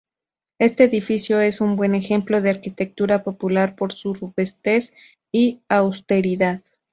Este edificio es un buen ejemplo de arquitectura popular por su robustez y austeridad.